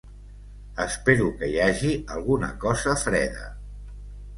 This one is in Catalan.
Espero que hi hagi alguna cosa freda.